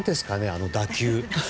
あの打球。